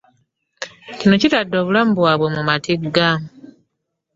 Kino kitadde obulamu bwabwe mu matigga